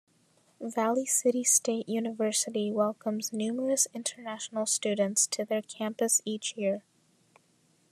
Valley City State University welcomes numerous International students to their campus each year.